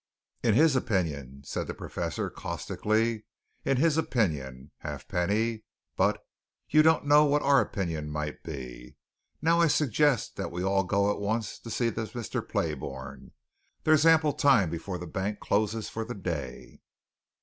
"In his opinion," said the Professor, caustically, "in his opinion, Halfpenny! But you don't know what our opinion might be. Now, I suggest that we all go at once to see this Mr. Playbourne; there's ample time before the bank closes for the day."